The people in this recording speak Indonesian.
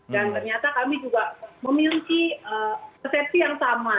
dan ternyata kami juga memiliki persepsi yang sama